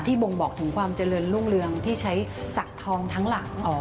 บ่งบอกถึงความเจริญรุ่งเรืองที่ใช้สักทองทั้งหลัง